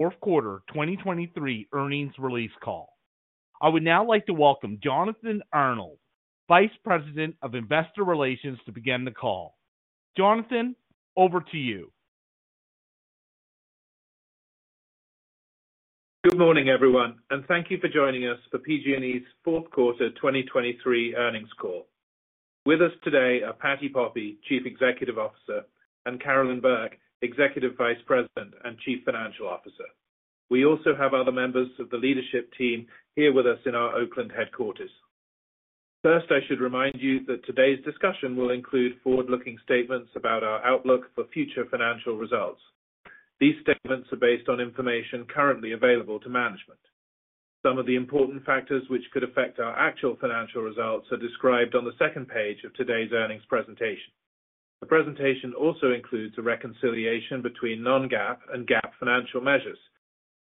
Fourth quarter 2023 earnings release call. I would now like to welcome Jonathan Arnold, Vice President of Investor Relations, to begin the call. Jonathan, over to you. Good morning, everyone, and thank you for joining us for PG&E's fourth quarter 2023 earnings call. With us today are Patti Poppe, Chief Executive Officer, and Carolyn Burke, Executive Vice President and Chief Financial Officer. We also have other members of the leadership team here with us in our Oakland headquarters. First, I should remind you that today's discussion will include forward-looking statements about our outlook for future financial results. These statements are based on information currently available to management. Some of the important factors which could affect our actual financial results are described on the second page of today's earnings presentation. The presentation also includes a reconciliation between non-GAAP and GAAP financial measures.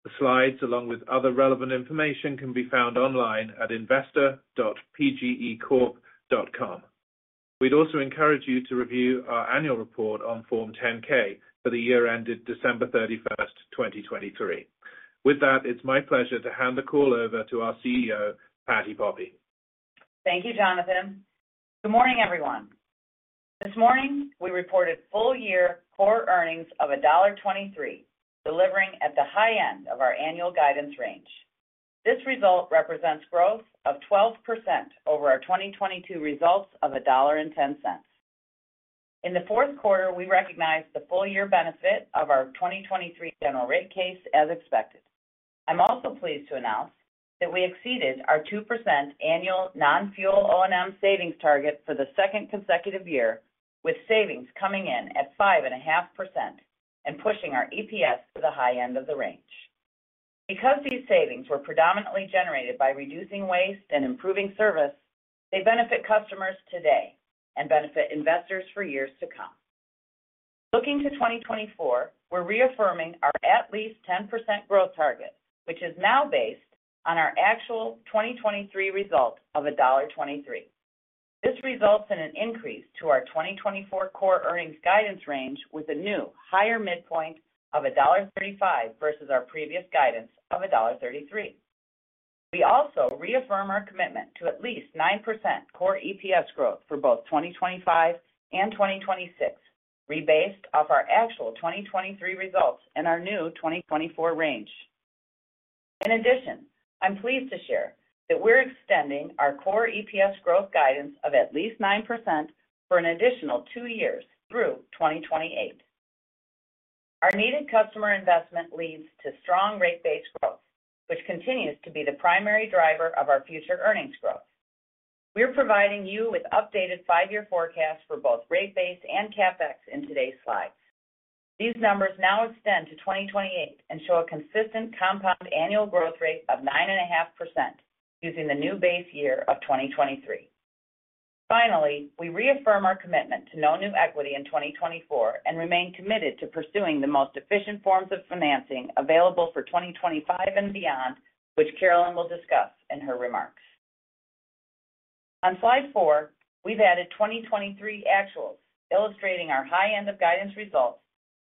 The slides, along with other relevant information, can be found online at investor.pgecorp.com. We'd also encourage you to review our annual report on Form 10-K for the year ended December 31st, 2023. With that, it's my pleasure to hand the call over to our CEO, Patti Poppe. Thank you, Jonathan. Good morning, everyone. This morning we reported full-year core earnings of $1.23, delivering at the high end of our annual guidance range. This result represents growth of 12% over our 2022 results of $1.10. In the fourth quarter we recognized the full-year benefit of our 2023 general rate case as expected. I'm also pleased to announce that we exceeded our 2% annual non-fuel O&M savings target for the second consecutive year, with savings coming in at 5.5% and pushing our EPS to the high end of the range. Because these savings were predominantly generated by reducing waste and improving service, they benefit customers today and benefit investors for years to come. Looking to 2024, we're reaffirming our at least 10% growth target, which is now based on our actual 2023 result of $1.23. This results in an increase to our 2024 core earnings guidance range with a new higher midpoint of $1.35 versus our previous guidance of $1.33. We also reaffirm our commitment to at least 9% core EPS growth for both 2025 and 2026, rebased off our actual 2023 results and our new 2024 range. In addition, I'm pleased to share that we're extending our core EPS growth guidance of at least 9% for an additional two years through 2028. Our needed customer investment leads to strong rate-based growth, which continues to be the primary driver of our future earnings growth. We're providing you with updated five-year forecasts for both rate-based and CapEx in today's slides. These numbers now extend to 2028 and show a consistent compound annual growth rate of 9.5% using the new base year of 2023. Finally, we reaffirm our commitment to no new equity in 2024 and remain committed to pursuing the most efficient forms of financing available for 2025 and beyond, which Carolyn will discuss in her remarks. On slide 4, we've added 2023 actuals illustrating our high end of guidance results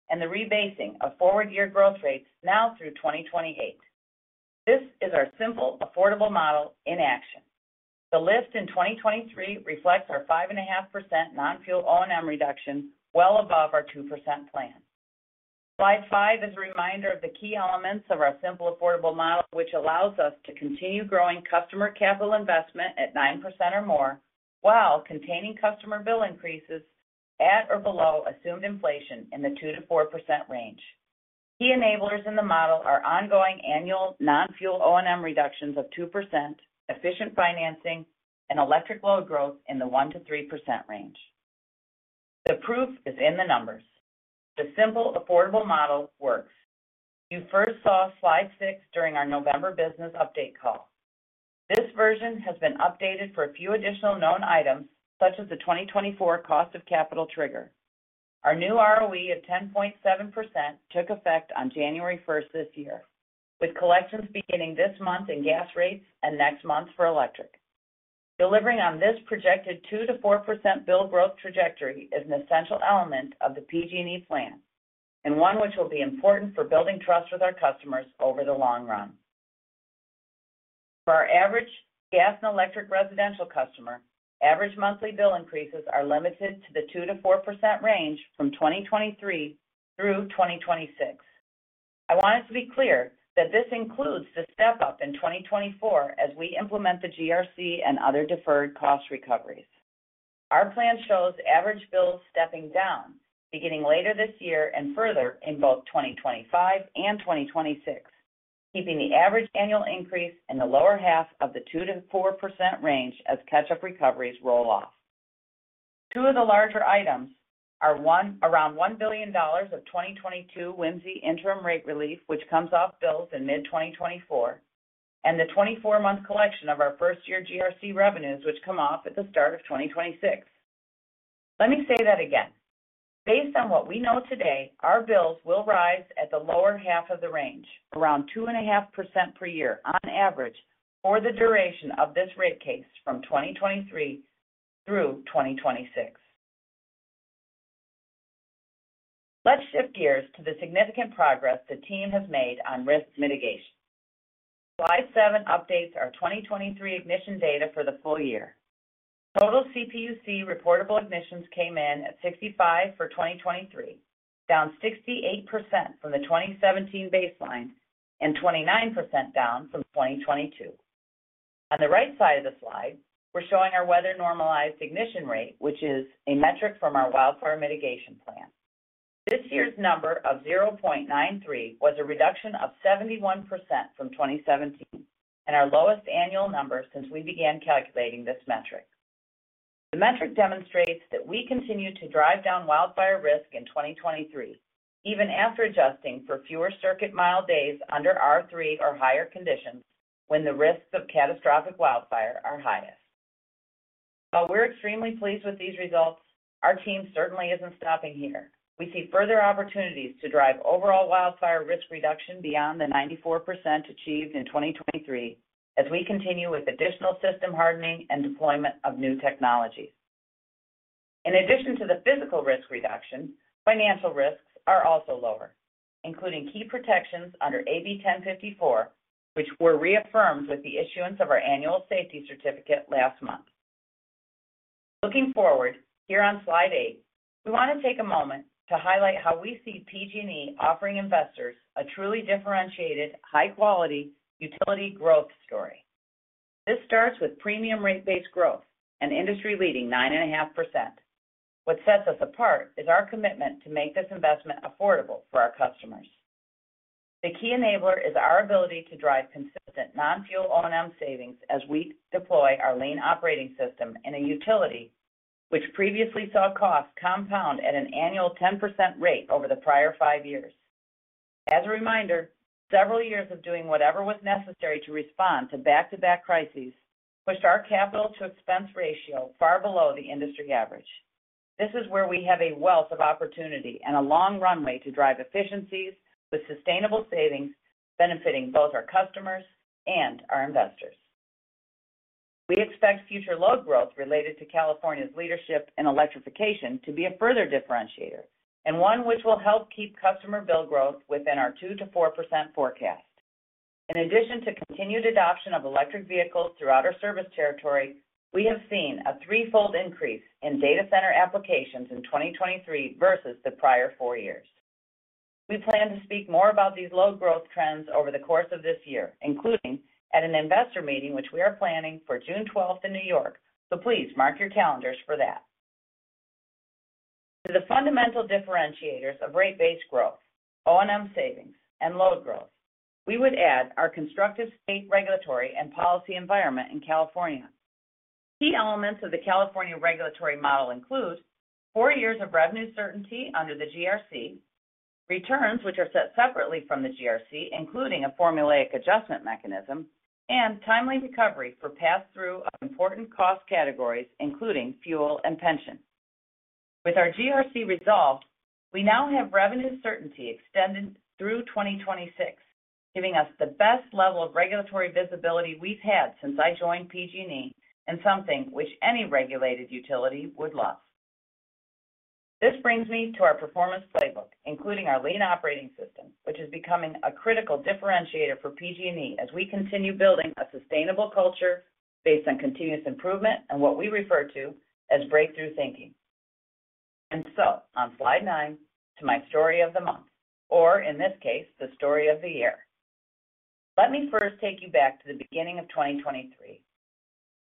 and the rebasing of forward-year growth rates now through 2028. This is our Simple, Affordable Model in action. The lift in 2023 reflects our 5.5% non-fuel O&M reduction well above our 2% plan. Slide 5 is a reminder of the key elements of our Simple, Affordable Model, which allows us to continue growing customer capital investment at 9% or more while containing customer bill increases at or below assumed inflation in the 2% to 4% range. Key enablers in the model are ongoing annual non-fuel O&M reductions of 2%, efficient financing, and electric load growth in the 1% to 3% range. The proof is in the numbers. The Simple, Affordable Model works. You first saw Slide 6 during our November business update call. This version has been updated for a few additional known items, such as the 2024 cost of capital trigger. Our new ROE of 10.7% took effect on January 1st this year, with collections beginning this month in gas rates and next month for electric. Delivering on this projected 2% to 4% bill growth trajectory is an essential element of the PG&E plan and one which will be important for building trust with our customers over the long run. For our average gas and electric residential customer, average monthly bill increases are limited to the 2% to 4% range from 2023 through 2026. I want it to be clear that this includes the step-up in 2024 as we implement the GRC and other deferred cost recoveries. Our plan shows average bills stepping down, beginning later this year and further in both 2025 and 2026, keeping the average annual increase in the lower half of the 2% to 4% range as catch-up recoveries roll off. Two of the larger items are around $1 billion of 2022 WMCE interim rate relief, which comes off bills in mid-2024, and the 24-month collection of our first-year GRC revenues, which come off at the start of 2026. Let me say that again. Based on what we know today, our bills will rise at the lower half of the range, around 2.5% per year on average for the duration of this rate case from 2023 through 2026. Let's shift gears to the significant progress the team has made on risk mitigation. Slide 7 updates our 2023 ignition data for the full year. Total CPUC reportable ignitions came in at 65 for 2023, down 68% from the 2017 baseline and 29% down from 2022. On the right side of the slide, we're showing our weather normalized ignition rate, which is a metric from our wildfire mitigation plan. This year's number of 0.93 was a reduction of 71% from 2017 and our lowest annual number since we began calculating this metric. The metric demonstrates that we continue to drive down wildfire risk in 2023, even after adjusting for fewer circuit mile days under R3 or higher conditions when the risks of catastrophic wildfire are highest. While we're extremely pleased with these results, our team certainly isn't stopping here. We see further opportunities to drive overall wildfire risk reduction beyond the 94% achieved in 2023 as we continue with additional system hardening and deployment of new technologies. In addition to the physical risk reduction, financial risks are also lower, including key protections under AB 1054, which were reaffirmed with the issuance of our annual safety certificate last month. Looking forward, here on Slide 8, we want to take a moment to highlight how we see PG&E offering investors a truly differentiated, high-quality utility growth story. This starts with premium rate-based growth and industry-leading 9.5%. What sets us apart is our commitment to make this investment affordable for our customers. The key enabler is our ability to drive consistent non-fuel O&M savings as we deploy our Lean Operating System in a utility which previously saw costs compound at an annual 10% rate over the prior 5 years. As a reminder, several years of doing whatever was necessary to respond to back-to-back crises pushed our capital-to-expense ratio far below the industry average. This is where we have a wealth of opportunity and a long runway to drive efficiencies with sustainable savings benefiting both our customers and our investors. We expect future load growth related to California's leadership in electrification to be a further differentiator and one which will help keep customer bill growth within our 2% to 4% forecast. In addition to continued adoption of electric vehicles throughout our service territory, we have seen a threefold increase in data center applications in 2023 versus the prior four years. We plan to speak more about these load growth trends over the course of this year, including at an investor meeting which we are planning for June 12th in New York, so please mark your calendars for that. To the fundamental differentiators of rate-based growth, O&M savings, and load growth, we would add our constructive state regulatory and policy environment in California. Key elements of the California regulatory model include four years of revenue certainty under the GRC, returns which are set separately from the GRC, including a formulaic adjustment mechanism, and timely recovery for pass-through of important cost categories, including fuel and pension. With our GRC resolved, we now have revenue certainty extended through 2026, giving us the best level of regulatory visibility we've had since I joined PG&E and something which any regulated utility would love. This brings me to our performance playbook, including our Lean Operating System, which is becoming a critical differentiator for PG&E as we continue building a sustainable culture based on continuous improvement and what we refer to as breakthrough thinking. And so, on Slide 9, to my story of the month, or in this case, the story of the year. Let me first take you back to the beginning of 2023.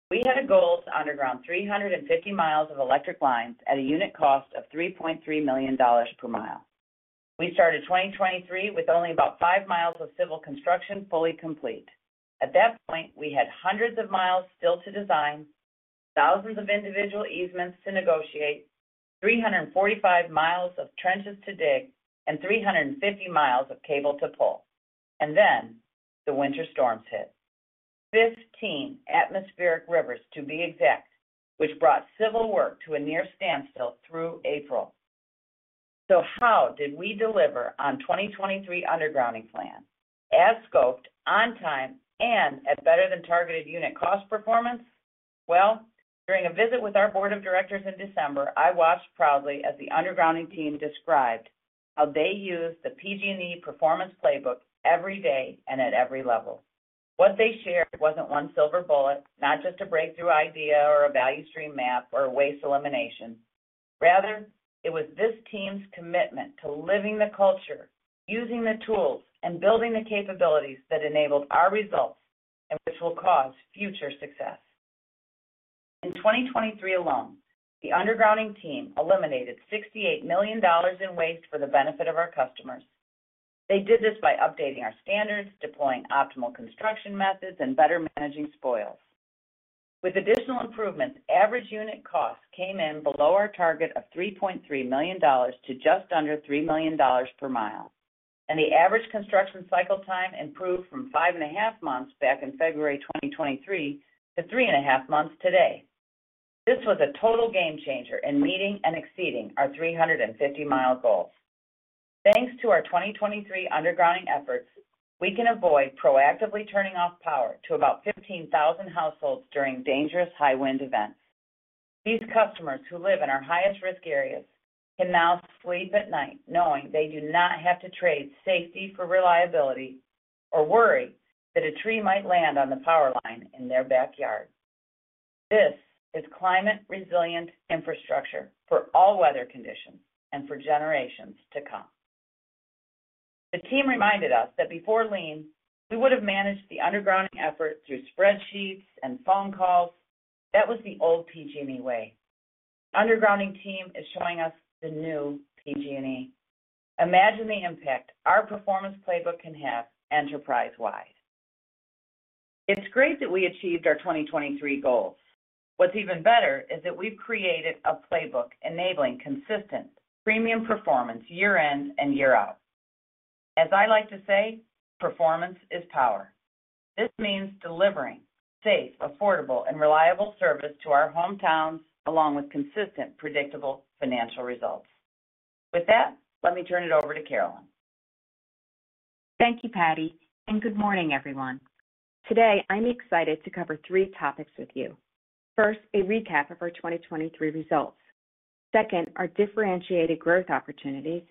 We had a goal to underground 350 miles of electric lines at a unit cost of $3.3 million per mile. We started 2023 with only about five miles of civil construction fully complete. At that point, we had hundreds of miles still to design, thousands of individual easements to negotiate, 345 miles of trenches to dig, and 350 miles of cable to pull. And then the winter storms hit. 15 atmospheric rivers, to be exact, which brought civil work to a near standstill through April. So how did we deliver on 2023 undergrounding plan as scoped, on time, and at better than targeted unit cost performance? Well, during a visit with our board of directors in December, I watched proudly as the undergrounding team described how they use the PG&E performance playbook every day and at every level. What they shared wasn't one silver bullet, not just a breakthrough idea or a value stream map or a waste elimination. Rather, it was this team's commitment to living the culture, using the tools, and building the capabilities that enabled our results and which will cause future success. In 2023 alone, the undergrounding team eliminated $68 million in waste for the benefit of our customers. They did this by updating our standards, deploying optimal construction methods, and better managing spoils. With additional improvements, average unit costs came in below our target of $3.3 million to just under $3 million per mile, and the average construction cycle time improved from 5.5 months back in February 2023 to 3.5 months today. This was a total game-changer in meeting and exceeding our 350-mile goal. Thanks to our 2023 undergrounding efforts, we can avoid proactively turning off power to about 15,000 households during dangerous high-wind events. These customers who live in our highest-risk areas can now sleep at night knowing they do not have to trade safety for reliability or worry that a tree might land on the power line in their backyard. This is climate-resilient infrastructure for all weather conditions and for generations to come. The team reminded us that before lean, we would have managed the undergrounding effort through spreadsheets and phone calls. That was the old PG&E way. The undergrounding team is showing us the new PG&E. Imagine the impact our performance playbook can have enterprise-wide. It's great that we achieved our 2023 goals. What's even better is that we've created a playbook enabling consistent, premium performance year-end and year-out. As I like to say, performance is power. This means delivering safe, affordable, and reliable service to our hometowns along with consistent, predictable financial results. With that, let me turn it over to Carolyn. Thank you, Patti, and good morning, everyone. Today, I'm excited to cover 3 topics with you. First, a recap of our 2023 results. Second, our differentiated growth opportunities.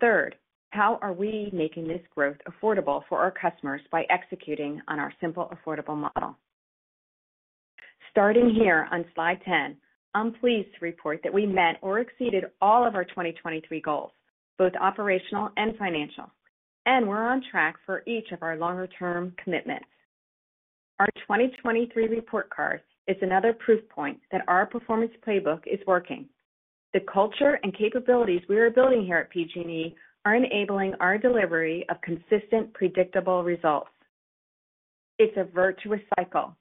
Third, how are we making this growth affordable for our customers by executing on our Simple, Affordable Model? Starting here on Slide 10, I'm pleased to report that we met or exceeded all of our 2023 goals, both operational and financial, and we're on track for each of our longer-term commitments. Our 2023 report card is another proof point that our performance playbook is working. The culture and capabilities we are building here at PG&E are enabling our delivery of consistent, predictable results. It's a virtuous cycle: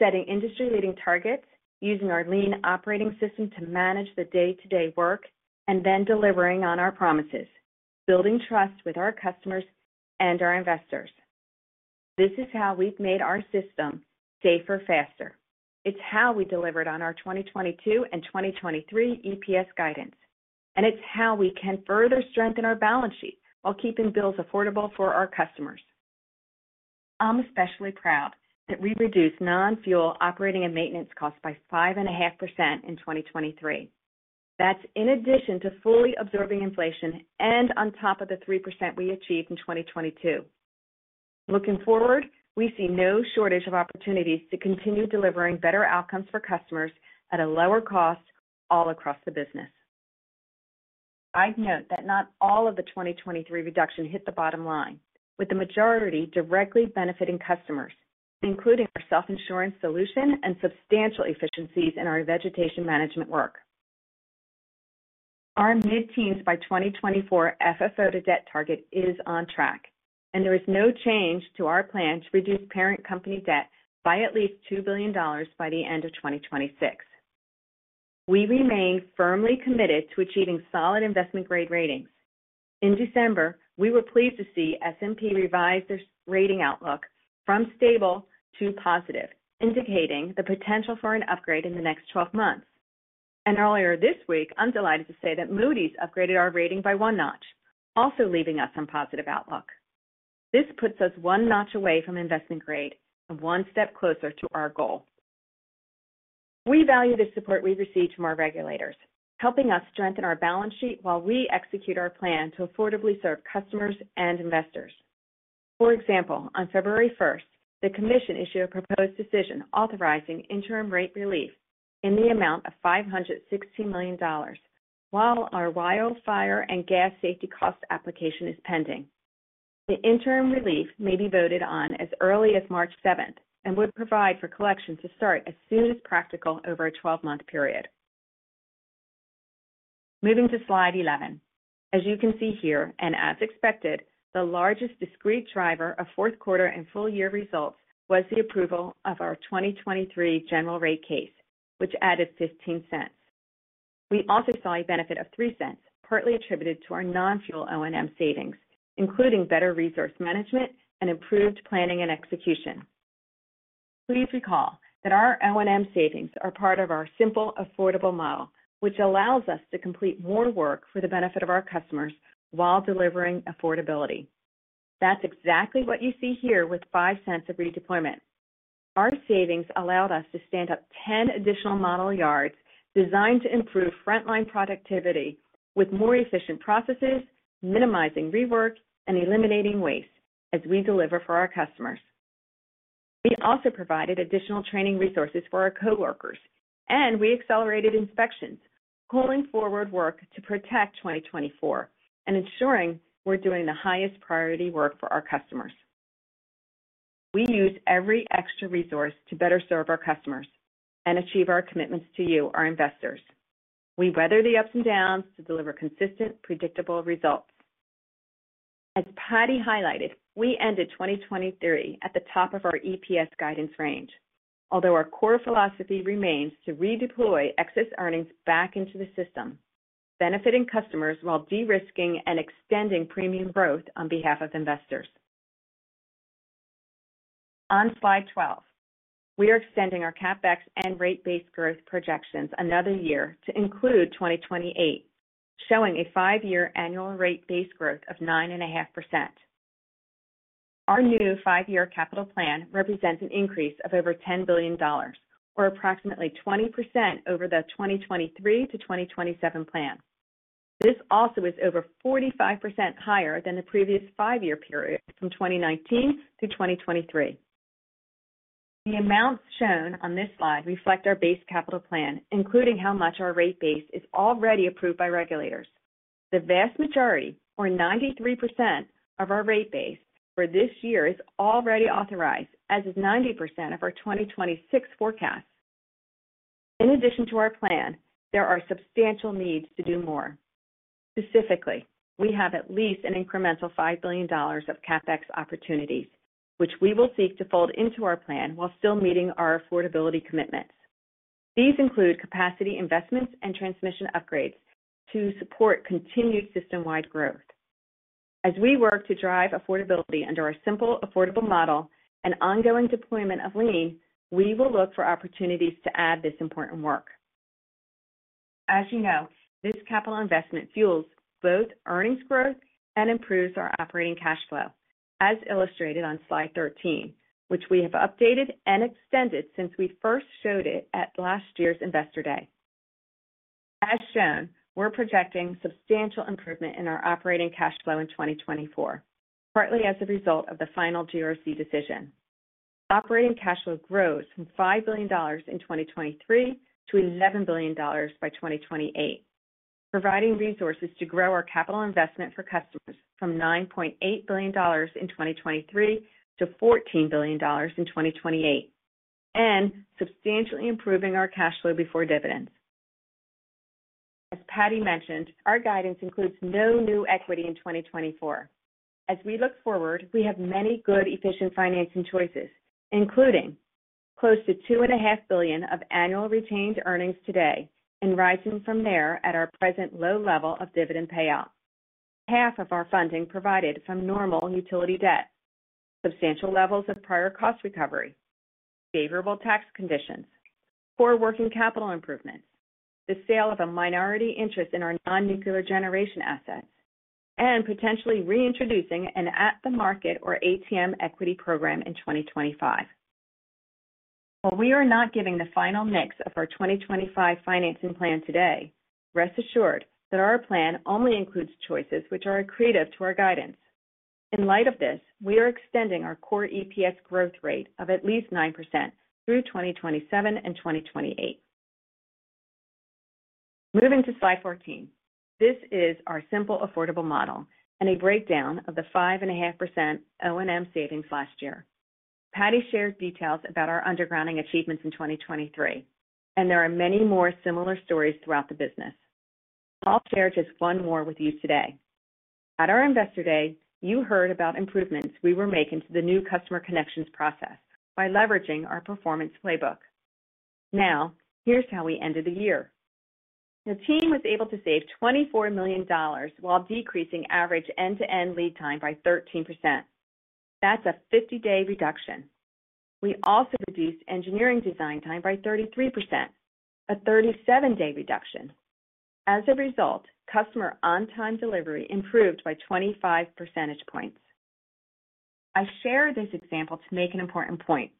setting industry-leading targets, using our Lean Operating System to manage the day-to-day work, and then delivering on our promises, building trust with our customers and our investors. This is how we've made our system safer faster. It's how we delivered on our 2022 and 2023 EPS guidance, and it's how we can further strengthen our balance sheet while keeping bills affordable for our customers. I'm especially proud that we reduced non-fuel operating and maintenance costs by 5.5% in 2023. That's in addition to fully absorbing inflation and on top of the 3% we achieved in 2022. Looking forward, we see no shortage of opportunities to continue delivering better outcomes for customers at a lower cost all across the business. I'd note that not all of the 2023 reduction hit the bottom line, with the majority directly benefiting customers, including our self-insurance solution and substantial efficiencies in our vegetation management work. Our mid-teens by 2024 FFO to Debt target is on track, and there is no change to our plan to reduce parent-company debt by at least $2 billion by the end of 2026. We remain firmly committed to achieving solid investment-grade ratings. In December, we were pleased to see S&P revise their rating outlook from stable to positive, indicating the potential for an upgrade in the next 12 months. Earlier this week, I'm delighted to say that Moody's upgraded our rating by one notch, also leaving us on positive outlook. This puts us one notch away from investment grade and one step closer to our goal. We value the support we receive from our regulators, helping us strengthen our balance sheet while we execute our plan to affordably serve customers and investors. For example, on February 1st, the commission issued a proposed decision authorizing interim rate relief in the amount of $516 million while our wildfire and gas safety cost application is pending. The interim relief may be voted on as early as March 7th and would provide for collection to start as soon as practical over a 12-month period. Moving to Slide 11. As you can see here and as expected, the largest discrete driver of fourth-quarter and full-year results was the approval of our 2023 general rate case, which added $0.15. We also saw a benefit of $0.03, partly attributed to our non-fuel O&M savings, including better resource management and improved planning and execution. Please recall that our O&M savings are part of our Simple, Affordable Model, which allows us to complete more work for the benefit of our customers while delivering affordability. That's exactly what you see here with $0.05 of redeployment. Our savings allowed us to stand up 10 additional model yards designed to improve frontline productivity with more efficient processes, minimizing rework, and eliminating waste as we deliver for our customers. We also provided additional training resources for our coworkers, and we accelerated inspections, pulling forward work to protect 2024 and ensuring we're doing the highest priority work for our customers. We use every extra resource to better serve our customers and achieve our commitments to you, our investors. We weather the ups and downs to deliver consistent, predictable results. As Patti highlighted, we ended 2023 at the top of our EPS guidance range, although our core philosophy remains to redeploy excess earnings back into the system, benefiting customers while de-risking and extending premium growth on behalf of investors. On Slide 12, we are extending our CapEx and rate-based growth projections another year to include 2028, showing a five-year annual rate-based growth of 9.5%. Our new five-year capital plan represents an increase of over $10 billion, or approximately 20% over the 2023 to 2027 plan. This also is over 45% higher than the previous five-year period from 2019 to 2023. The amounts shown on this slide reflect our base capital plan, including how much our rate base is already approved by regulators. The vast majority, or 93%, of our rate base for this year is already authorized, as is 90% of our 2026 forecast. In addition to our plan, there are substantial needs to do more. Specifically, we have at least an incremental $5 billion of CapEx opportunities, which we will seek to fold into our plan while still meeting our affordability commitments. These include capacity investments and transmission upgrades to support continued system-wide growth. As we work to drive affordability under our Simple, Affordable Model and ongoing deployment of lean, we will look for opportunities to add this important work. As you know, this capital investment fuels both earnings growth and improves our operating cash flow, as illustrated on Slide 13, which we have updated and extended since we first showed it at last year's Investor Day. As shown, we're projecting substantial improvement in our operating cash flow in 2024, partly as a result of the final GRC decision. Operating cash flow grows from $5 billion in 2023 to $11 billion by 2028, providing resources to grow our capital investment for customers from $9.8 billion in 2023 to $14 billion in 2028, and substantially improving our cash flow before dividends. As Patti mentioned, our guidance includes no new equity in 2024. As we look forward, we have many good, efficient financing choices, including close to $2.5 billion of annual retained earnings today and rising from there at our present low level of dividend payout, half of our funding provided from normal utility debt, substantial levels of prior cost recovery, favorable tax conditions, poor working capital improvements, the sale of a minority interest in our non-nuclear generation assets, and potentially reintroducing an at-the-market or ATM equity program in 2025. While we are not giving the final mix of our 2025 financing plan today, rest assured that our plan only includes choices which are accretive to our guidance. In light of this, we are extending our core EPS growth rate of at least 9% through 2027 and 2028. Moving to Slide 14. This is our Simple, Affordable Model and a breakdown of the 5.5% O&M savings last year. Patti shared details about our undergrounding achievements in 2023, and there are many more similar stories throughout the business. I'll share just one more with you today. At our Investor Day, you heard about improvements we were making to the new customer connections process by leveraging our performance playbook. Now, here's how we ended the year. The team was able to save $24 million while decreasing average end-to-end lead time by 13%. That's a 50-day reduction. We also reduced engineering design time by 33%, a 37-day reduction. As a result, customer on-time delivery improved by 25 percentage points. I share this example to make an important point.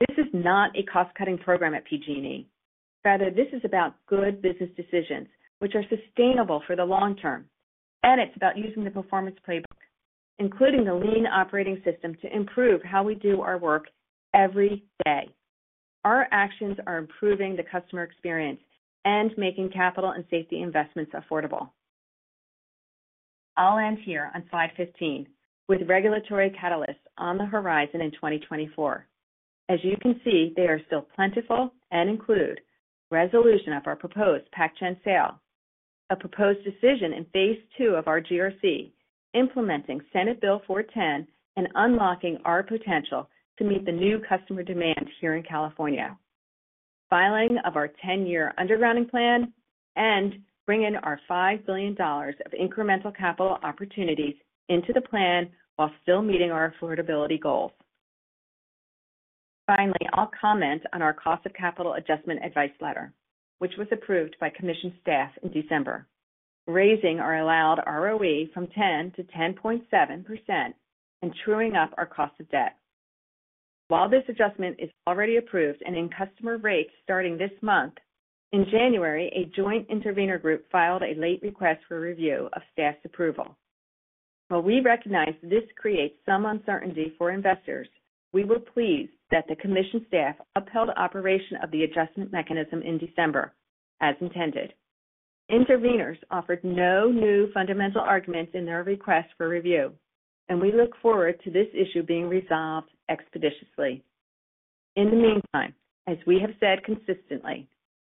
This is not a cost-cutting program at PG&E. Rather, this is about good business decisions, which are sustainable for the long term, and it's about using the performance playbook, including the Lean Operating System to improve how we do our work every day. Our actions are improving the customer experience and making capital and safety investments affordable. I'll end here on Slide 15 with regulatory catalysts on the horizon in 2024. As you can see, they are still plentiful and include resolution of our proposed PacGen sale, a proposed decision in phase two of our GRC implementing Senate Bill 410 and unlocking our potential to meet the new customer demand here in California, filing of our 10-year undergrounding plan, and bringing our $5 billion of incremental capital opportunities into the plan while still meeting our affordability goals. Finally, I'll comment on our cost of capital adjustment advice letter, which was approved by commission staff in December, raising our allowed ROE from 10% to 10.7% and chewing up our cost of debt. While this adjustment is already approved and in customer rates starting this month, in January, a joint intervenor group filed a late request for review of staff's approval. While we recognize this creates some uncertainty for investors, we were pleased that the commission staff upheld operation of the adjustment mechanism in December as intended. Intervenors offered no new fundamental arguments in their request for review, and we look forward to this issue being resolved expeditiously. In the meantime, as we have said consistently,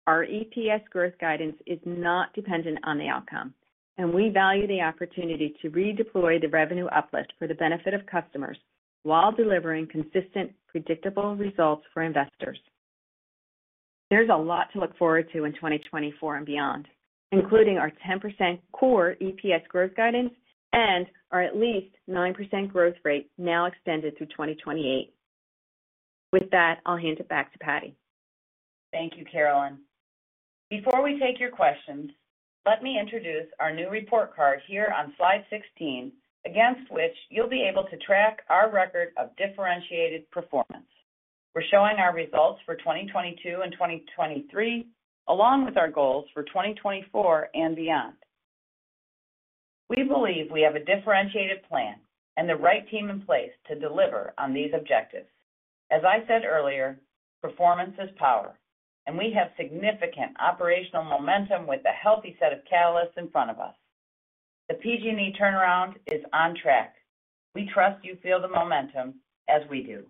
our EPS growth guidance is not dependent on the outcome, and we value the opportunity to redeploy the revenue uplift for the benefit of customers while delivering consistent, predictable results for investors. There's a lot to look forward to in 2024 and beyond, including our 10% core EPS growth guidance and our at least 9% growth rate now extended through 2028. With that, I'll hand it back to Patti. Thank you, Carolyn. Before we take your questions, let me introduce our new report card here on Slide 16, against which you'll be able to track our record of differentiated performance. We're showing our results for 2022 and 2023 along with our goals for 2024 and beyond. We believe we have a differentiated plan and the right team in place to deliver on these objectives. As I said earlier, performance is power, and we have significant operational momentum with a healthy set of catalysts in front of us. The PG&E turnaround is on track. We trust you feel the momentum as we do.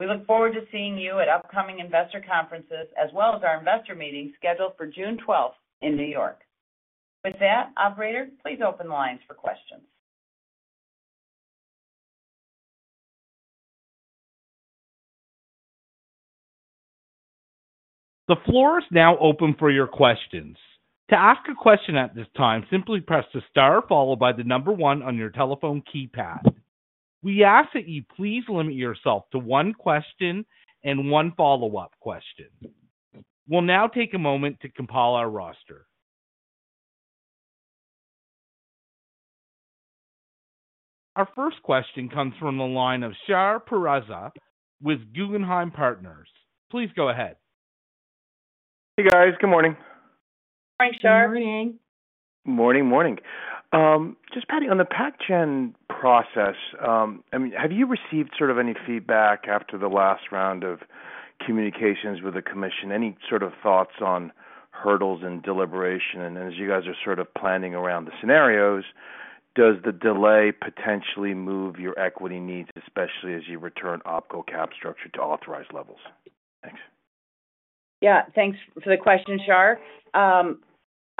We look forward to seeing you at upcoming investor conferences as well as our investor meeting scheduled for June 12th in New York. With that, operator, please open the lines for questions. The floor is now open for your questions. To ask a question at this time, simply press the star followed by the number one on your telephone keypad. We ask that you please limit yourself to one question and one follow-up question. We'll now take a moment to compile our roster. Our first question comes from the line of Shahriar Pourreza with Guggenheim Partners. Please go ahead. Hey guys. Good morning. Morning, Shar. Morning. Morning, morning. Just Patti, on the PacGen process, have you received sort of any feedback after the last round of communications with the commission, any sort of thoughts on hurdles in deliberation? And as you guys are sort of planning around the scenarios, does the delay potentially move your equity needs, especially as you return OPCO cap structure to authorized levels? Thanks. Yeah. Thanks for the question, Shar.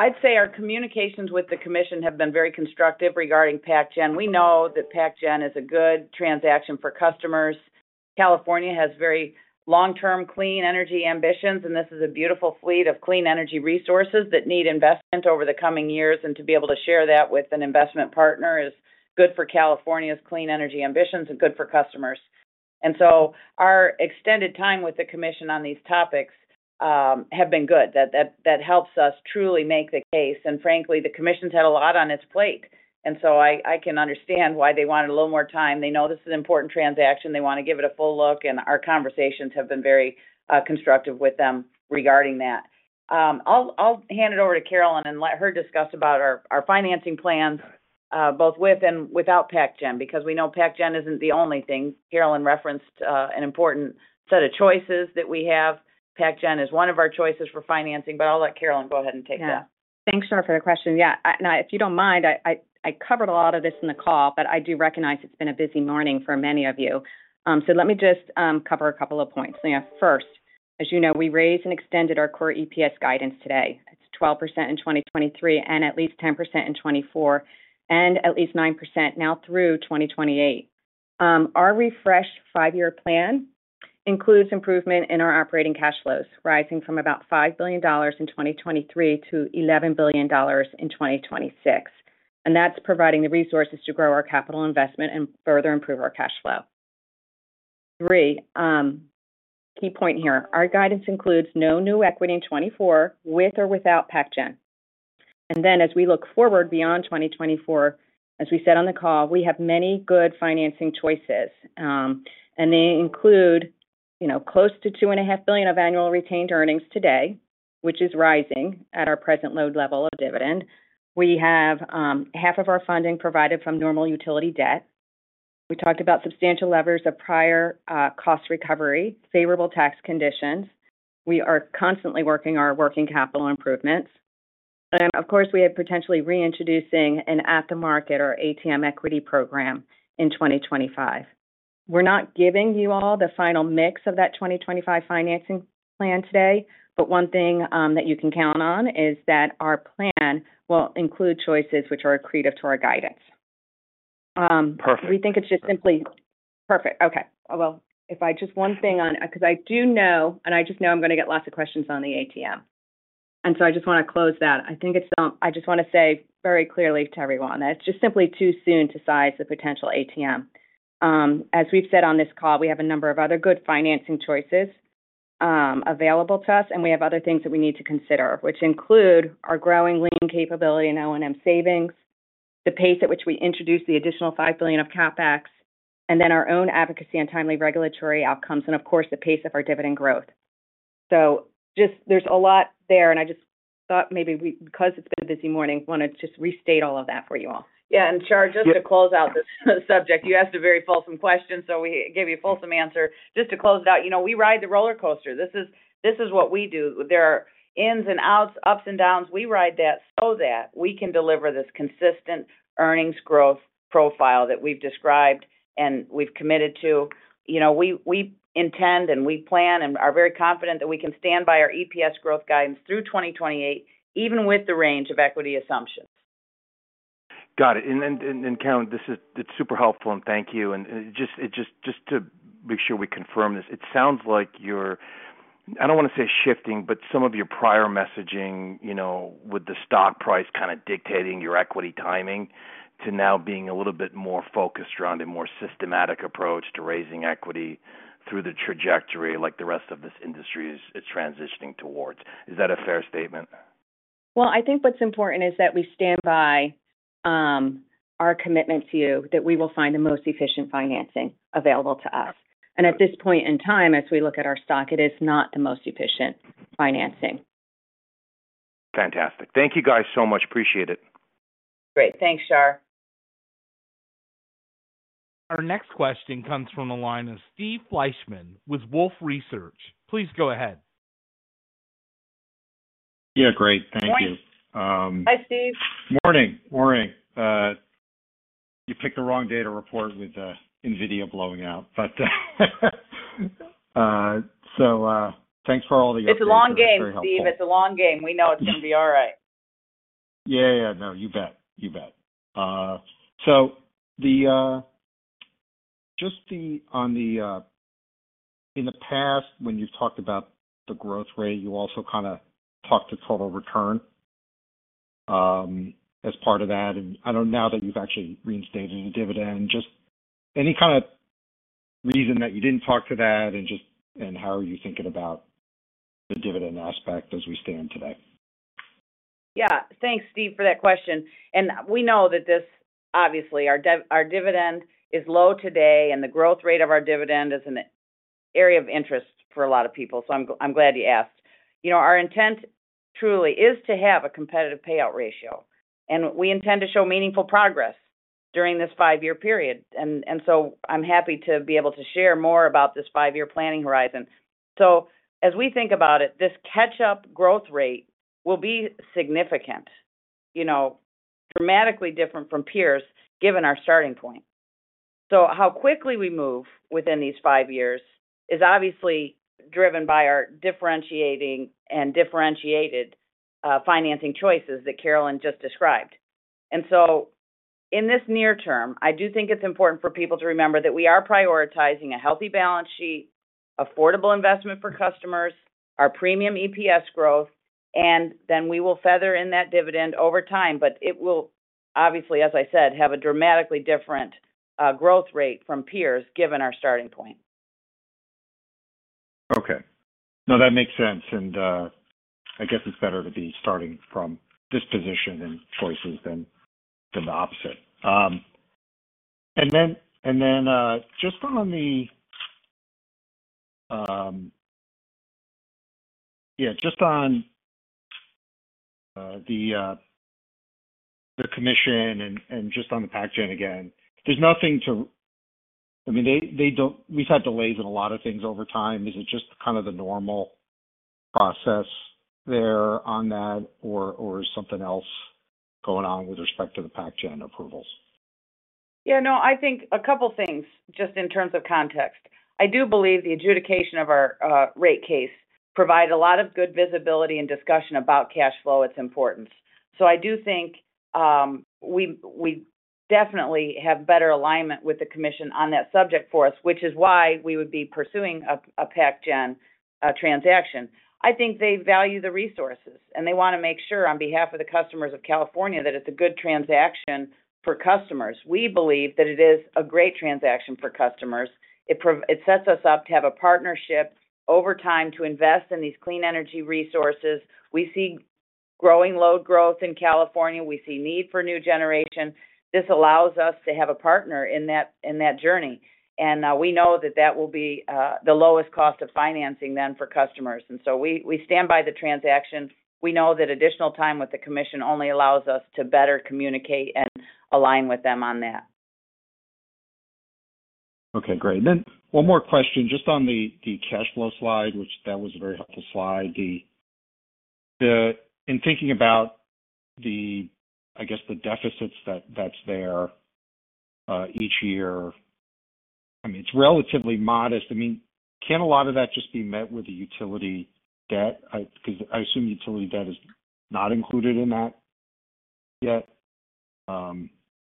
I'd say our communications with the commission have been very constructive regarding PacGen. We know that PacGen is a good transaction for customers. California has very long-term clean energy ambitions, and this is a beautiful fleet of clean energy resources that need investment over the coming years. And to be able to share that with an investment partner is good for California's clean energy ambitions and good for customers. And so our extended time with the commission on these topics has been good. That helps us truly make the case. And frankly, the commission's had a lot on its plate, and so I can understand why they wanted a little more time. They know this is an important transaction. They want to give it a full look, and our conversations have been very constructive with them regarding that. I'll hand it over to Carolyn and let her discuss about our financing plans both with and without PacGen because we know PacGen isn't the only thing. Carolyn referenced an important set of choices that we have. PacGen is one of our choices for financing, but I'll let Carolyn go ahead and take that. Yeah. Thanks, Shar, for the question. Yeah. Now, if you don't mind, I covered a lot of this in the call, but I do recognize it's been a busy morning for many of you. So let me just cover a couple of points. First, as you know, we raised and extended our core EPS guidance today. It's 12% in 2023 and at least 10% in 2024 and at least 9% now through 2028. Our refreshed five-year plan includes improvement in our operating cash flows, rising from about $5 billion in 2023 to $11 billion in 2026. And that's providing the resources to grow our capital investment and further improve our cash flow. Three, key point here, our guidance includes no new equity in 2024 with or without PacGen. Then as we look forward beyond 2024, as we said on the call, we have many good financing choices, and they include close to $2.5 billion of annual retained earnings today, which is rising at our present load level of dividend. We have half of our funding provided from normal utility debt. We talked about substantial levers of prior cost recovery, favorable tax conditions. We are constantly working our working capital improvements. And of course, we are potentially reintroducing an at-the-market or ATM equity program in 2025. We're not giving you all the final mix of that 2025 financing plan today, but one thing that you can count on is that our plan will include choices which are accretive to our guidance. Perfect. We think it's just simply perfect. Okay. Well, if I just one thing on because I do know and I just know I'm going to get lots of questions on the ATM, and so I just want to close that. I just want to say very clearly to everyone that it's just simply too soon to size the potential ATM. As we've said on this call, we have a number of other good financing choices available to us, and we have other things that we need to consider, which include our growing lean capability and O&M savings, the pace at which we introduce the additional $5 billion of CapEx, and then our own advocacy and timely regulatory outcomes, and of course, the pace of our dividend growth. There's a lot there, and I just thought maybe because it's been a busy morning, I want to just restate all of that for you all. Yeah. And Shar, just to close out this subject, you asked a very fulsome question, so we gave you a fulsome answer. Just to close it out, we ride the roller coaster. This is what we do. There are ins and outs, ups and downs. We ride that so that we can deliver this consistent earnings growth profile that we've described and we've committed to. We intend and we plan and are very confident that we can stand by our EPS growth guidance through 2028, even with the range of equity assumptions. Got it. And Carolyn, it's super helpful, and thank you. And just to make sure we confirm this, it sounds like you're, I don't want to say shifting, but some of your prior messaging with the stock price kind of dictating your equity timing to now being a little bit more focused around a more systematic approach to raising equity through the trajectory like the rest of this industry is transitioning towards. Is that a fair statement? Well, I think what's important is that we stand by our commitment to you, that we will find the most efficient financing available to us. At this point in time, as we look at our stock, it is not the most efficient financing. Fantastic. Thank you guys so much. Appreciate it. Great. Thanks, Shar. Our next question comes from the line of Steve Fleishman with Wolfe Research. Please go ahead. Yeah. Great. Thank you. Morning. Hi, Steve. Morning. Morning. You picked the wrong data report with NVIDIA blowing out. So thanks for all the yard work. It's a long game, Steve. It's a long game. We know it's going to be all right. Yeah. Yeah. No. You bet. You bet. So just in the past, when you've talked about the growth rate, you also kind of talked to total return as part of that. And now that you've actually reinstated the dividend, just any kind of reason that you didn't talk to that and how are you thinking about the dividend aspect as we stand today? Yeah. Thanks, Steve, for that question. And we know that this obviously, our dividend is low today, and the growth rate of our dividend is an area of interest for a lot of people, so I'm glad you asked. Our intent truly is to have a competitive payout ratio, and we intend to show meaningful progress during this five-year period. And so I'm happy to be able to share more about this five-year planning horizon. So as we think about it, this catch-up growth rate will be significant, dramatically different from peers given our starting point. So how quickly we move within these five years is obviously driven by our differentiating and differentiated financing choices that Carolyn just described. And so in this near term, I do think it's important for people to remember that we are prioritizing a healthy balance sheet, affordable investment for customers, our premium EPS growth, and then we will feather in that dividend over time. But it will obviously, as I said, have a dramatically different growth rate from peers given our starting point. Okay. No, that makes sense. And I guess it's better to be starting from disposition and choices than the opposite. And then just on the yeah, just on the commission and just on the PacGen again, there's nothing to I mean, we've had delays in a lot of things over time. Is it just kind of the normal process there on that, or is something else going on with respect to the PacGen approvals? Yeah. No, I think a couple of things just in terms of context. I do believe the adjudication of our rate case provided a lot of good visibility and discussion about cash flow and its importance. So I do think we definitely have better alignment with the commission on that subject for us, which is why we would be pursuing a PacGen transaction. I think they value the resources, and they want to make sure on behalf of the customers of California that it's a good transaction for customers. We believe that it is a great transaction for customers. It sets us up to have a partnership over time to invest in these clean energy resources. We see growing load growth in California. We see need for new generation. This allows us to have a partner in that journey. We know that that will be the lowest cost of financing then for customers. So we stand by the transaction. We know that additional time with the commission only allows us to better communicate and align with them on that. Okay. Great. Then one more question. Just on the cash flow slide, which was a very helpful slide, in thinking about, I guess, the deficits that's there each year, I mean, it's relatively modest. I mean, can a lot of that just be met with the utility debt? Because I assume utility debt is not included in that yet.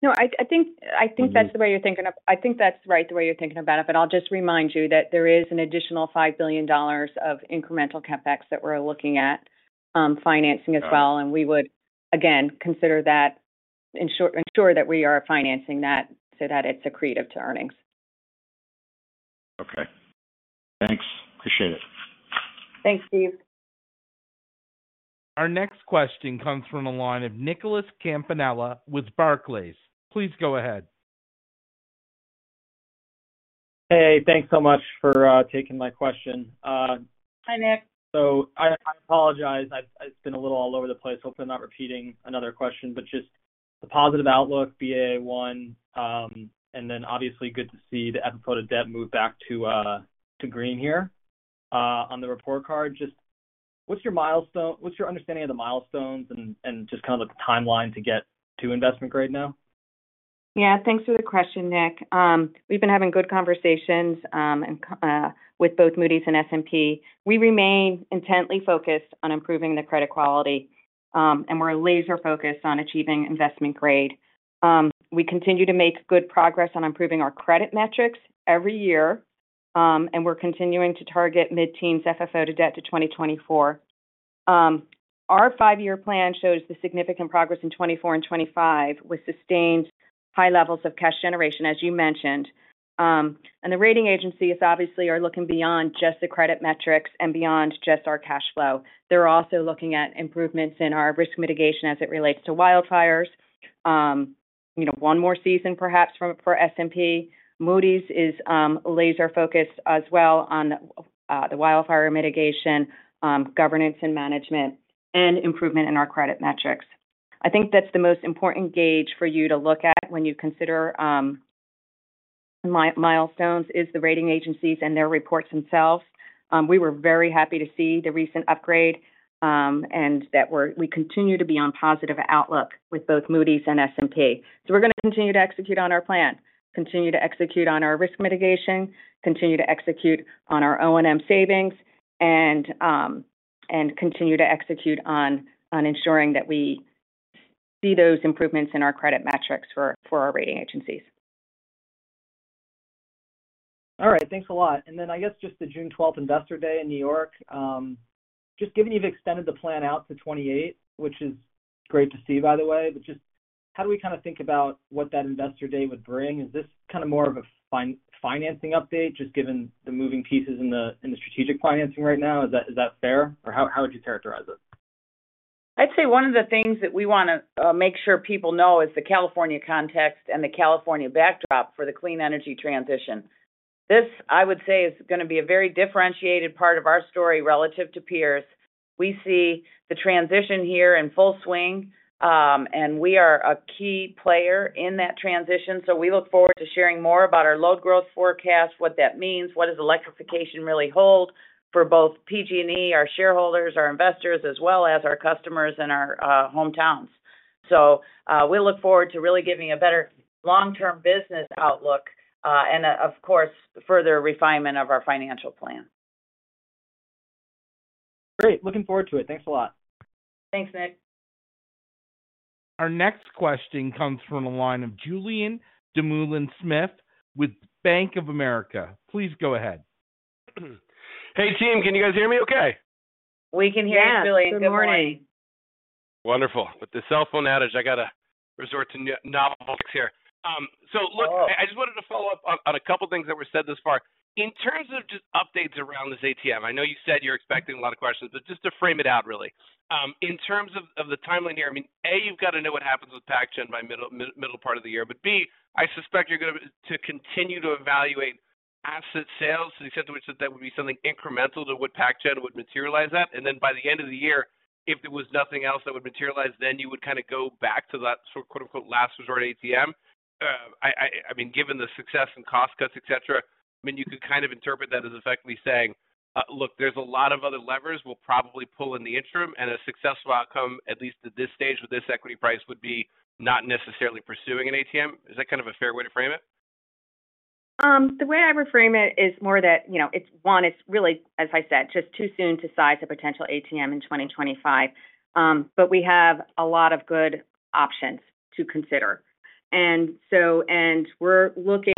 No, I think that's the way you're thinking of I think that's right, the way you're thinking about it. But I'll just remind you that there is an additional $5 billion of incremental CapEx that we're looking at financing as well. And we would, again, consider that, ensure that we are financing that so that it's accretive to earnings. Okay. Thanks. Appreciate it. Thanks, Steve. Our next question comes from the line of Nicholas Campanella with Barclays. Please go ahead. Hey. Thanks so much for taking my question. Hi, Nick. So I apologize. It's been a little all over the place. Hope I'm not repeating another question. But just the positive outlook, Baa1, and then obviously, good to see the FFO to Debt move back to green here on the report card. Just what's your understanding of the milestones and just kind of the timeline to get to investment grade now? Yeah. Thanks for the question, Nick. We've been having good conversations with both Moody's and S&P. We remain intently focused on improving the credit quality, and we're laser-focused on achieving investment grade. We continue to make good progress on improving our credit metrics every year, and we're continuing to target mid-teens FFO to Debt to 2024. Our five-year plan shows the significant progress in 2024 and 2025 with sustained high levels of cash generation, as you mentioned. And the rating agencies obviously are looking beyond just the credit metrics and beyond just our cash flow. They're also looking at improvements in our risk mitigation as it relates to wildfires, one more season perhaps for S&P. Moody's is laser-focused as well on the wildfire mitigation, governance and management, and improvement in our credit metrics. I think that's the most important gauge for you to look at when you consider milestones is the rating agencies and their reports themselves. We were very happy to see the recent upgrade and that we continue to be on positive outlook with both Moody's and S&P. So we're going to continue to execute on our plan, continue to execute on our risk mitigation, continue to execute on our O&M savings, and continue to execute on ensuring that we see those improvements in our credit metrics for our rating agencies. All right. Thanks a lot. And then I guess just the June 12th Investor Day in New York, just given you've extended the plan out to 2028, which is great to see, by the way, but just how do we kind of think about what that Investor Day would bring? Is this kind of more of a financing update just given the moving pieces in the strategic financing right now? Is that fair, or how would you characterize it? I'd say one of the things that we want to make sure people know is the California context and the California backdrop for the clean energy transition. This, I would say, is going to be a very differentiated part of our story relative to peers. We see the transition here in full swing, and we are a key player in that transition. So we look forward to sharing more about our load growth forecast, what that means, what does electrification really hold for both PG&E, our shareholders, our investors, as well as our customers and our hometowns. So we look forward to really giving a better long-term business outlook and, of course, further refinement of our financial plan. Great. Looking forward to it. Thanks a lot. Thanks, Nick. Our next question comes from the line of Julien Dumoulin-Smith with Bank of America. Please go ahead. Hey, team. Can you guys hear me okay? We can hear you, Julian. Good morning. Good morning. Wonderful. With the cell phone outage, I got to resort to novel picks here. So look, I just wanted to follow up on a couple of things that were said this far. In terms of just updates around this ATM, I know you said you're expecting a lot of questions, but just to frame it out, really, in terms of the timeline here, I mean, A, you've got to know what happens with PacGen by middle part of the year, but B, I suspect you're going to continue to evaluate asset sales to the extent to which that would be something incremental to what PacGen would materialize at. And then by the end of the year, if there was nothing else that would materialize, then you would kind of go back to that sort of "last resort ATM." I mean, given the success and cost cuts, etc., I mean, you could kind of interpret that as effectively saying, "Look, there's a lot of other levers we'll probably pull in the interim, and a successful outcome, at least at this stage with this equity price, would be not necessarily pursuing an ATM." Is that kind of a fair way to frame it? The way I would frame it is more that it's, one, it's really, as I said, just too soon to size a potential ATM in 2025. But we have a lot of good options to consider. And we're looking,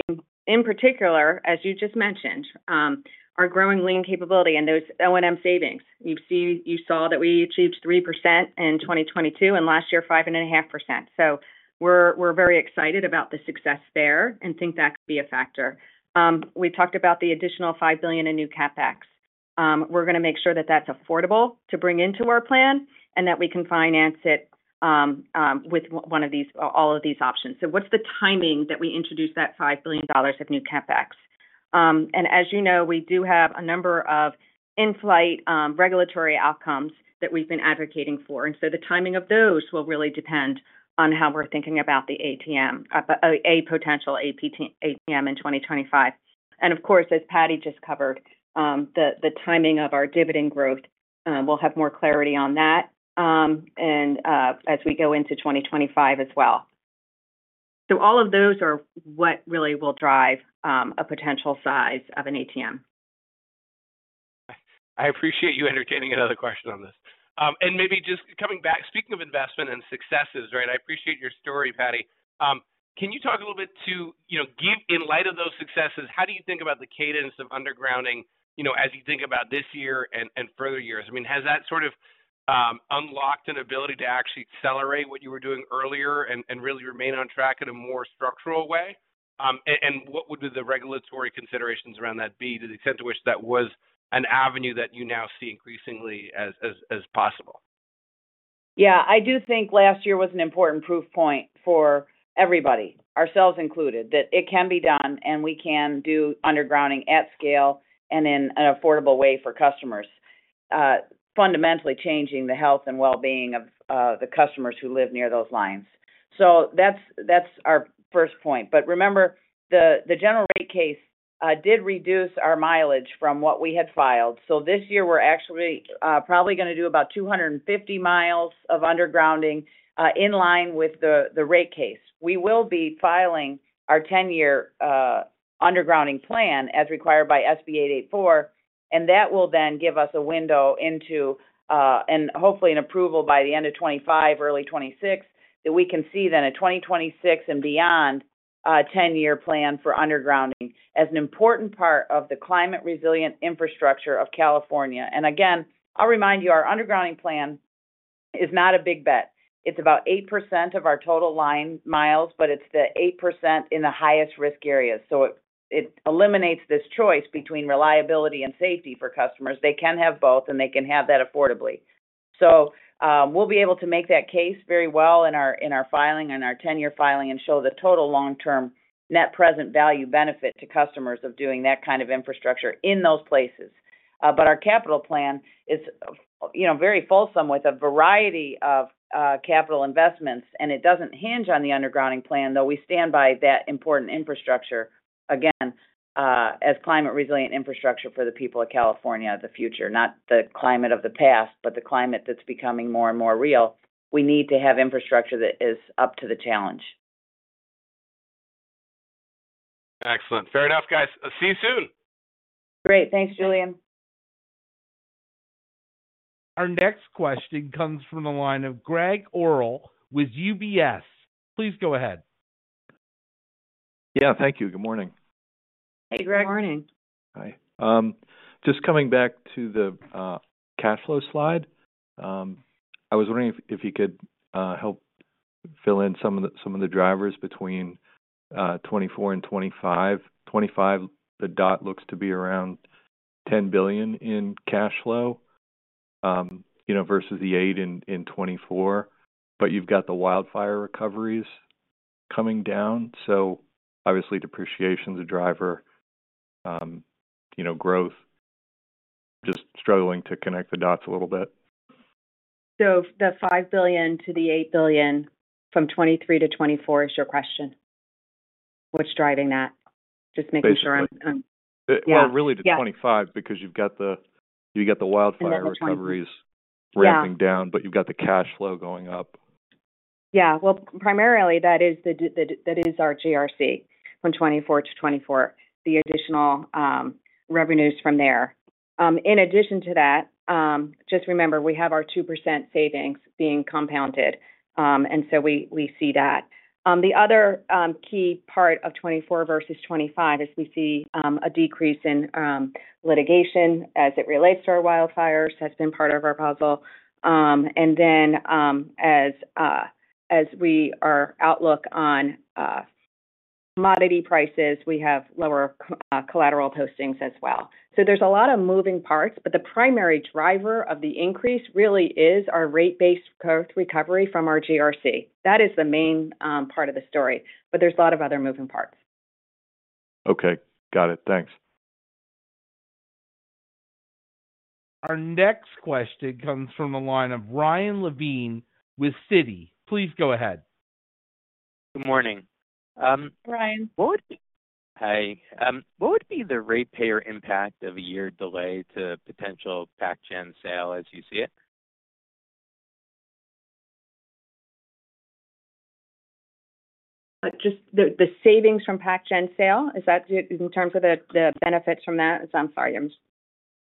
in particular, as you just mentioned, our growing lean capability and those O&M savings. You saw that we achieved 3% in 2022 and last year 5.5%. So we're very excited about the success there and think that could be a factor. We talked about the additional $5 billion in new CapEx. We're going to make sure that that's affordable to bring into our plan and that we can finance it with one of these all of these options. So what's the timing that we introduce that $5 billion of new CapEx? And as you know, we do have a number of in-flight regulatory outcomes that we've been advocating for. The timing of those will really depend on how we're thinking about the ATM, a potential ATM in 2025. Of course, as Patti just covered, the timing of our dividend growth, we'll have more clarity on that as we go into 2025 as well. All of those are what really will drive a potential size of an ATM. I appreciate you entertaining another question on this. Maybe just coming back, speaking of investment and successes, right, I appreciate your story, Patti. Can you talk a little bit to, in light of those successes, how do you think about the cadence of undergrounding as you think about this year and further years? I mean, has that sort of unlocked an ability to actually accelerate what you were doing earlier and really remain on track in a more structural way? And what would the regulatory considerations around that be to the extent to which that was an avenue that you now see increasingly as possible? Yeah. I do think last year was an important proof point for everybody, ourselves included, that it can be done, and we can do undergrounding at scale and in an affordable way for customers, fundamentally changing the health and well-being of the customers who live near those lines. So that's our first point. But remember, the general rate case did reduce our mileage from what we had filed. So this year, we're actually probably going to do about 250 miles of undergrounding in line with the rate case. We will be filing our 10-year undergrounding plan as required by SB 884, and that will then give us a window into, and hopefully, an approval by the end of 2025, early 2026, that we can see then a 2026 and beyond 10-year plan for undergrounding as an important part of the climate-resilient infrastructure of California. And again, I'll remind you, our undergrounding plan is not a big bet. It's about 8% of our total line miles, but it's the 8% in the highest risk areas. So it eliminates this choice between reliability and safety for customers. They can have both, and they can have that affordably. So we'll be able to make that case very well in our filing, in our 10-year filing, and show the total long-term net present value benefit to customers of doing that kind of infrastructure in those places. But our capital plan is very fulsome with a variety of capital investments, and it doesn't hinge on the undergrounding plan, though we stand by that important infrastructure, again, as climate-resilient infrastructure for the people of California of the future, not the climate of the past, but the climate that's becoming more and more real. We need to have infrastructure that is up to the challenge. Excellent. Fair enough, guys. See you soon. Great. Thanks, Julien. Our next question comes from the line of Greg Orrill with UBS. Please go ahead. Yeah. Thank you. Good morning. Hey, Greg. Good morning. Hi. Just coming back to the cash flow slide, I was wondering if you could help fill in some of the drivers between 2024 and 2025. 2025, the dot looks to be around $10 billion in cash flow versus the $8 billion in 2024. But you've got the wildfire recoveries coming down. So obviously, depreciation's a driver, growth. I'm just struggling to connect the dots a little bit. The $5 billion-$8 billion from 2023 to 2024 is your question. What's driving that? Just making sure I'm. Well, really to 2025 because you've got the wildfire recoveries ramping down, but you've got the cash flow going up. Yeah. Well, primarily, that is our GRC from 2024 to 2024, the additional revenues from there. In addition to that, just remember, we have our 2% savings being compounded, and so we see that. The other key part of 2024 versus 2025 is we see a decrease in litigation as it relates to our wildfires, has been part of our puzzle. And then as we are outlook on commodity prices, we have lower collateral postings as well. So there's a lot of moving parts, but the primary driver of the increase really is our rate-based growth recovery from our GRC. That is the main part of the story, but there's a lot of other moving parts. Okay. Got it. Thanks. Our next question comes from the line of Ryan Levine with Citi. Please go ahead. Good morning. Ryan. What would be the ratepayer impact of a year delay to potential PacGen sale as you see it? Just the savings from PacGen sale, is that in terms of the benefits from that? I'm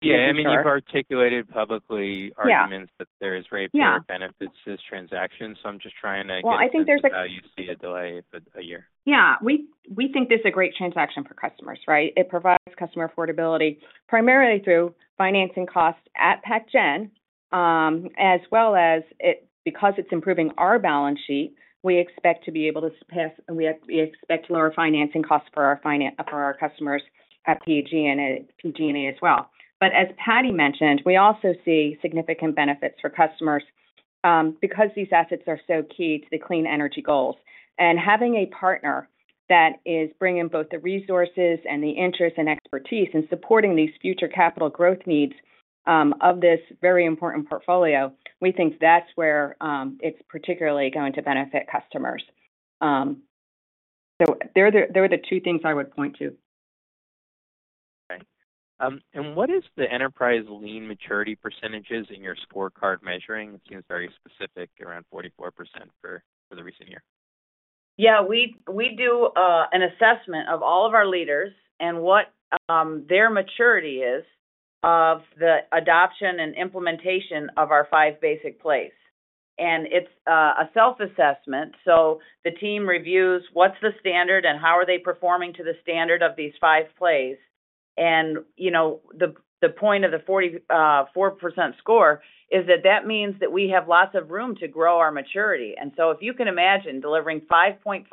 sorry. Yeah. I mean, you've articulated publicly arguments that there is ratepayer benefits to this transaction. So I'm just trying to get to how you see a delay a year. Yeah. We think this is a great transaction for customers, right? It provides customer affordability primarily through financing costs at PacGen, as well as because it's improving our balance sheet, we expect to be able to pass we expect to lower financing costs for our customers at PG&E as well. But as Patti mentioned, we also see significant benefits for customers because these assets are so key to the clean energy goals. And having a partner that is bringing both the resources and the interest and expertise and supporting these future capital growth needs of this very important portfolio, we think that's where it's particularly going to benefit customers. So they're the two things I would point to. Okay. And what is the enterprise Lean maturity percentages in your scorecard measuring? It seems very specific, around 44% for the recent year. Yeah. We do an assessment of all of our leaders and what their maturity is of the adoption and implementation of our Five Basic Plays. And it's a self-assessment. So the team reviews what's the standard and how are they performing to the standard of these five plays. And the point of the 44% score is that that means that we have lots of room to grow our maturity. And so if you can imagine delivering 5.5%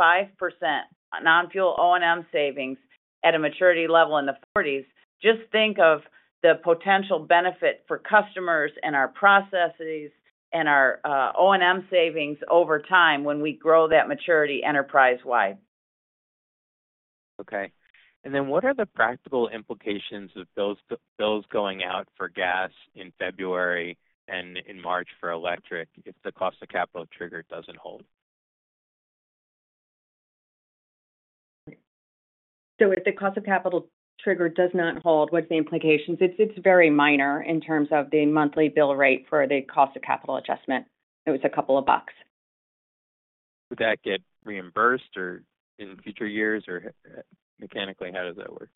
non-fuel O&M savings at a maturity level in the 40s, just think of the potential benefit for customers and our processes and our O&M savings over time when we grow that maturity enterprise-wide. Okay. And then what are the practical implications of bills going out for gas in February and in March for electric if the cost of capital trigger doesn't hold? If the cost of capital trigger does not hold, what's the implications? It's very minor in terms of the monthly bill rate for the cost of capital adjustment. It was a couple of bucks. Would that get reimbursed in future years or mechanically, how does that work?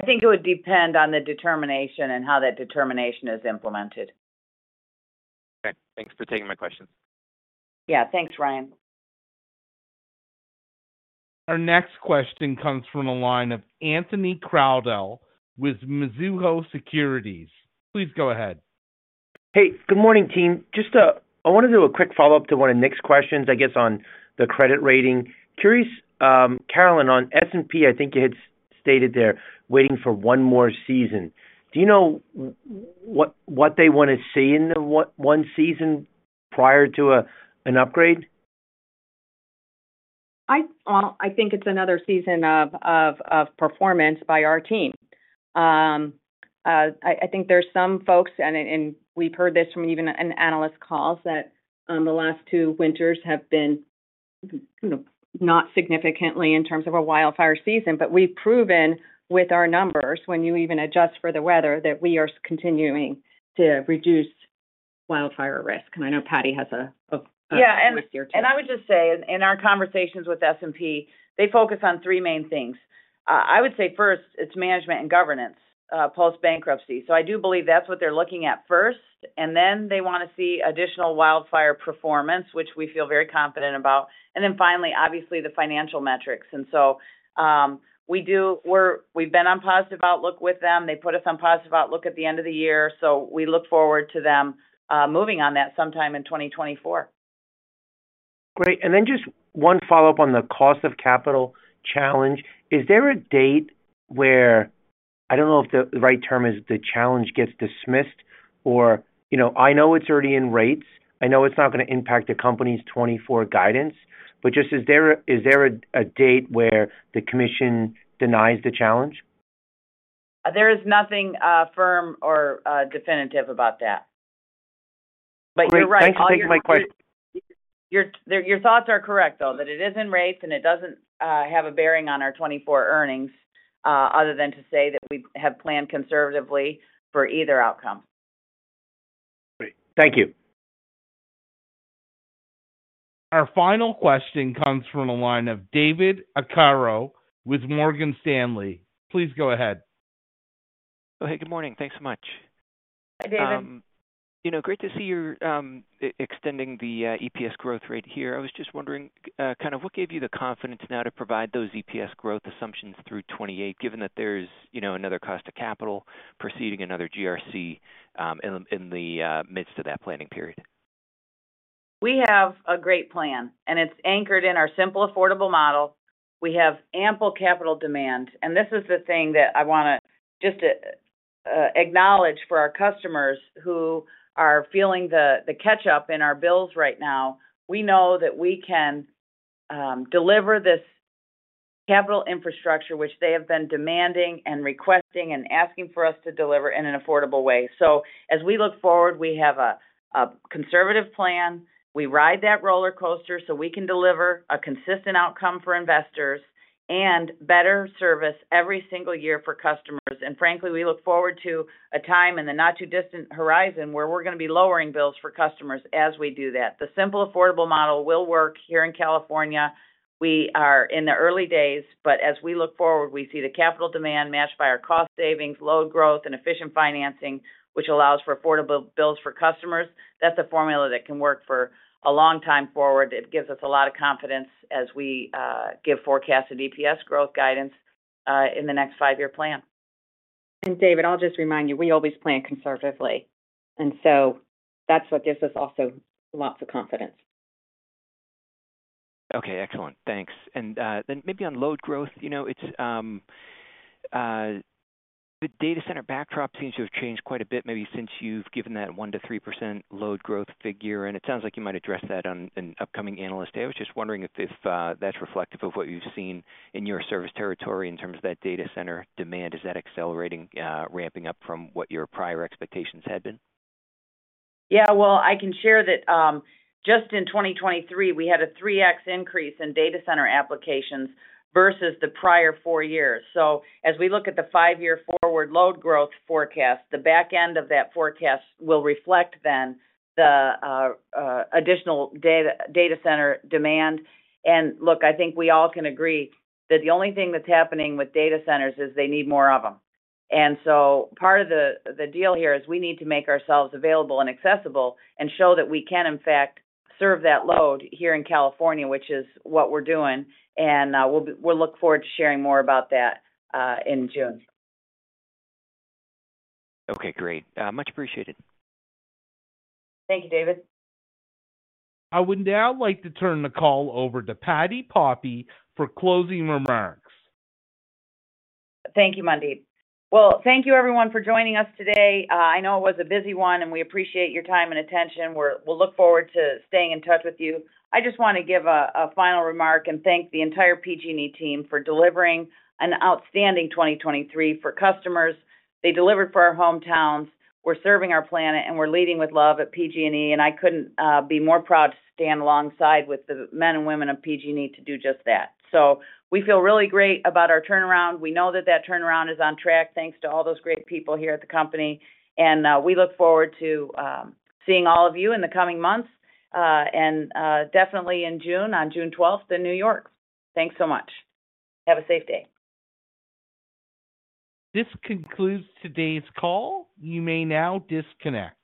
I think it would depend on the determination and how that determination is implemented. Okay. Thanks for taking my questions. Yeah. Thanks, Ryan. Our next question comes from the line of Anthony Crowdell with Mizuho Securities. Please go ahead. Hey. Good morning, team. I want to do a quick follow-up to one of Nick's questions, I guess, on the credit rating. Curious, Carolyn, on S&P, I think you had stated they're waiting for one more season. Do you know what they want to see in one season prior to an upgrade? Well, I think it's another season of performance by our team. I think there's some folks, and we've heard this from even analyst calls, that the last two winters have been not significantly in terms of a wildfire season. But we've proven with our numbers, when you even adjust for the weather, that we are continuing to reduce wildfire risk. And I know Patti has a list here too. Yeah. I would just say, in our conversations with S&P, they focus on three main things. I would say first, it's management and governance post-bankruptcy. I do believe that's what they're looking at first. Then they want to see additional wildfire performance, which we feel very confident about. Then finally, obviously, the financial metrics. So we've been on positive outlook with them. They put us on positive outlook at the end of the year. We look forward to them moving on that sometime in 2024. Great. And then just one follow-up on the cost of capital challenge. Is there a date where I don't know if the right term is the challenge gets dismissed or I know it's already in rates? I know it's not going to impact the company's 2024 guidance. But just is there a date where the commission denies the challenge? There is nothing firm or definitive about that. But you're right. All the. Thanks for taking my question. Your thoughts are correct, though, that it is in rates and it doesn't have a bearing on our 2024 earnings other than to say that we have planned conservatively for either outcome. Great. Thank you. Our final question comes from the line of David Arcaro with Morgan Stanley. Please go ahead. Oh, hey. Good morning. Thanks so much. Hi, David. Great to see you're extending the EPS growth rate here. I was just wondering kind of what gave you the confidence now to provide those EPS growth assumptions through 2028, given that there's another cost of capital preceding another GRC in the midst of that planning period? We have a great plan, and it's anchored in our Simple, Affordable Model. We have ample capital demand. And this is the thing that I want to just acknowledge for our customers who are feeling the catch-up in our bills right now. We know that we can deliver this capital infrastructure, which they have been demanding and requesting and asking for us to deliver in an affordable way. So as we look forward, we have a conservative plan. We ride that roller coaster so we can deliver a consistent outcome for investors and better service every single year for customers. And frankly, we look forward to a time in the not-too-distant horizon where we're going to be lowering bills for customers as we do that. The Simple, Affordable Model will work here in California. We are in the early days. But as we look forward, we see the capital demand matched by our cost savings, load growth, and efficient financing, which allows for affordable bills for customers. That's a formula that can work for a long time forward. It gives us a lot of confidence as we give forecasted EPS growth guidance in the next five-year plan. David, I'll just remind you, we always plan conservatively. So that's what gives us also lots of confidence. Okay. Excellent. Thanks. And then maybe on load growth, the data center backdrop seems to have changed quite a bit maybe since you've given that 1% to 3% load growth figure. And it sounds like you might address that on an upcoming analyst day. I was just wondering if that's reflective of what you've seen in your service territory in terms of that data center demand. Is that accelerating, ramping up from what your prior expectations had been? Yeah. Well, I can share that just in 2023, we had a 3x increase in data center applications versus the prior four years. So as we look at the five-year forward load growth forecast, the back end of that forecast will reflect then the additional data center demand. And look, I think we all can agree that the only thing that's happening with data centers is they need more of them. And so part of the deal here is we need to make ourselves available and accessible and show that we can, in fact, serve that load here in California, which is what we're doing. And we'll look forward to sharing more about that in June. Okay. Great. Much appreciated. Thank you, David. I would now like to turn the call over to Patti Poppe for closing remarks. Thank you, Mandeep. Well, thank you, everyone, for joining us today. I know it was a busy one, and we appreciate your time and attention. We'll look forward to staying in touch with you. I just want to give a final remark and thank the entire PG&E team for delivering an outstanding 2023 for customers. They delivered for our hometowns. We're serving our planet, and we're leading with love at PG&E. I couldn't be more proud to stand alongside with the men and women of PG&E to do just that. We feel really great about our turnaround. We know that that turnaround is on track thanks to all those great people here at the company. We look forward to seeing all of you in the coming months and definitely in June on June 12th in New York. Thanks so much. Have a safe day. This concludes today's call. You may now disconnect.